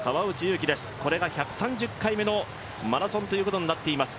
これが１３０回目のマラソンとなっています。